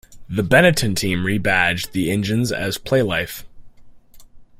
The Benetton team rebadged the engines as Playlife.